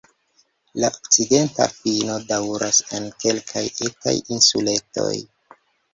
La okcidenta fino daŭras en kelkaj etaj insuletoj.